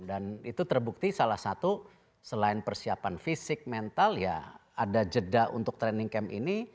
dan itu terbukti salah satu selain persiapan fisik mental ya ada jeda untuk training camp ini